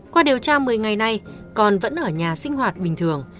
qua điều tra một mươi ngày nay con vẫn ở nhà sinh hoạt bình thường